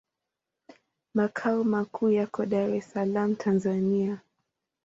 Makao makuu yako Dar es Salaam, Tanzania.